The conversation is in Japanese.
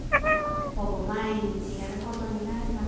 ほぼ毎日やることになるんだから。